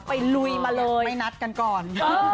ลุยมาเลยไปนัดกันก่อน